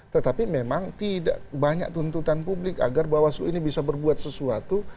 tetapi memang tidak banyak tuntutan publik agar bawaslu ini bisa berbuat sesuatu